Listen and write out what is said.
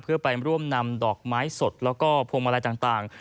เพื่อไปร่วมนำดอกไม้สดแล้วก็พวงมาลัยต่าง